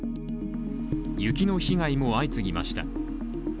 雪の被害も相次ぎました。